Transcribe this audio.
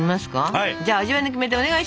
はい！